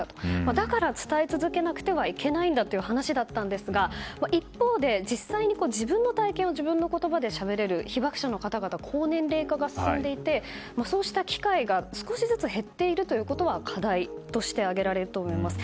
だから伝え続けなくてはいけないんだという話だったんですが一方で実際に自分の体験を自分の言葉でしゃべれる被爆者の方々の高年齢化が進んでいてそうした機会が少しずつ減っているということは課題として挙げられると思います。